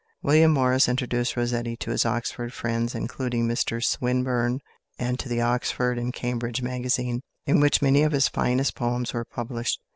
William Morris introduced Rossetti to his Oxford friends, including Mr Swinburne, and to the Oxford and Cambridge Magazine, in which many of his finest poems were published.